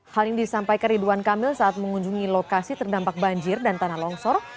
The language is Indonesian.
hal ini disampaikan ridwan kamil saat mengunjungi lokasi terdampak banjir dan tanah longsor